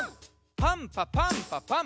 パンパパンパパン！